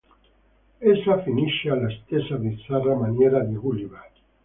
Essa finisce alla stessa, bizzarra, maniera di "Gulliver".